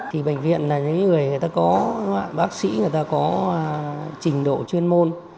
thì bệnh viện là những người người ta có bác sĩ người ta có trình độ chuyên môn